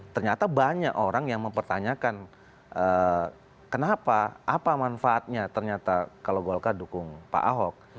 ternyata banyak orang yang mempertanyakan kenapa apa manfaatnya ternyata kalau golkar dukung pak ahok